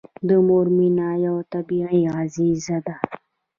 د مور مینه یوه طبیعي غريزه ده.